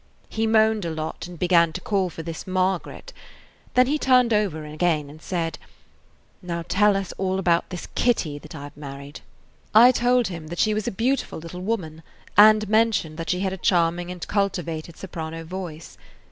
He moaned a lot, and began to call for this Margaret. Then he turned over again and said, "Now tell us all about this Kitty that I 've married." I told him she was a beautiful little woman, and mentioned that she had a charming and cultivated soprano voice.